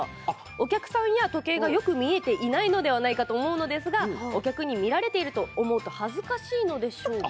お客さんや時計がよく見えないのではないかと思うのですがお客に見られていると思うと恥ずかしいのでしょうか。